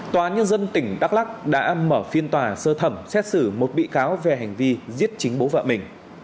tòa nhân dân tỉnh đắk lắc đã mở phiên tòa sơ thẩm xét xử một bị cáo về hành vi giết chính bố vợ mình